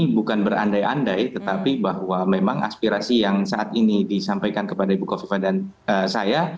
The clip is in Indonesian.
bukan berandai andai tetapi bahwa memang aspirasi yang saat ini disampaikan kepada ibu kofifa dan saya